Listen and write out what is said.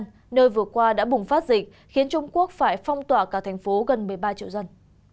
tây an nơi vừa qua đã bùng phát dịch khiến trung quốc phải phong tỏa cả thành phố gần một mươi ba triệu dân